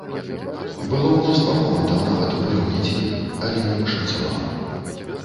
Было мноства момантаў нават выраўняць лік, але не пашанцавала.